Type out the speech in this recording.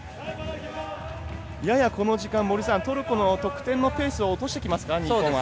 やや、この時間は森さんトルコの得点のペースを落としてきますか？